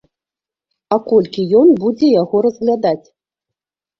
А колькі ён будзе яго разглядаць?